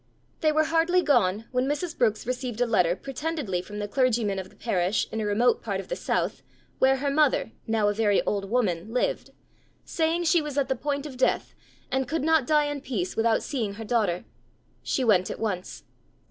They were hardly gone when Mrs. Brookes received a letter pretendedly from the clergyman of the parish, in a remote part of the south, where her mother, now a very old woman, lived, saying she was at the point of death, and could not die in peace without seeing her daughter. She went at once.